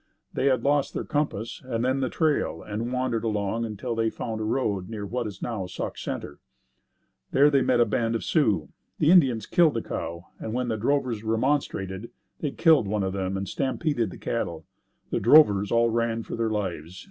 They had lost their compass and then the trail and wandered along until they found a road near what is now Sauk Center. There they met a band of Sioux. The Indians killed a cow and when the drovers remonstrated, they killed one of them and stampeded the cattle. The drovers all ran for their lives.